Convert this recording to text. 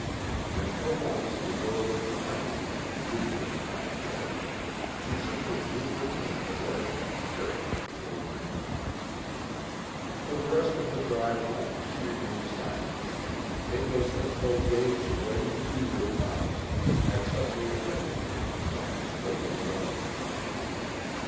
And for once the girl didn't thank him in her usual frank way. She simply drew her hand away and chirruped at the old mare. For the rest of the drive home she remained silent. It was as though Dave's ready, eager promise had suddenly affected her in some disturbing way.